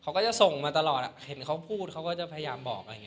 เขาก็จะส่งมาตลอดเห็นเขาก็พูดเขาก็ยากจะพยายามบอก